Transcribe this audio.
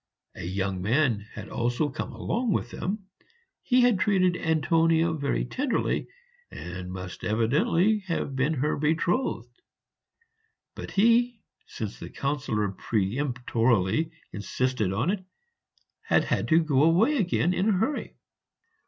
A young man also had come along with them; he had treated Antonia very tenderly, and must evidently have been her betrothed. But he, since the Councillor peremptorily insisted on it, had had to go away again in a hurry.